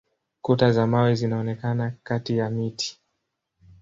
Kuta za mawe zinaonekana kati ya miti.